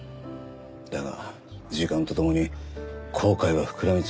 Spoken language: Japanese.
だが時間と共に後悔は膨らみ続ける。